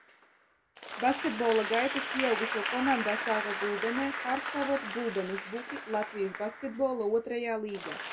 "Basketbola gaitas pieaugušo komandā sāka Gulbenē, pārstāvot Gulbenes "Buki" Latvijas Basketbola otrajā līgā."